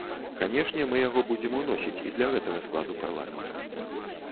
Канешне, мы яго будзем уносіць і для гэтага складу парламенту.